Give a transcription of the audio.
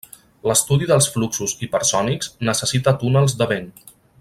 L'estudi dels fluxos hipersònics necessita túnels de vent.